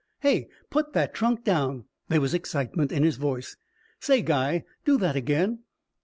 Hey! Put that trunk down." There was excitement in his voice. "Say, guy, do that again."